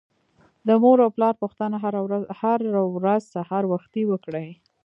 د مور او پلار پوښتنه هر ورځ سهار وختي وکړئ.